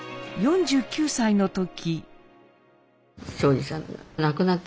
４９歳の時。